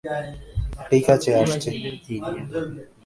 ঠিক আছে, আসছি।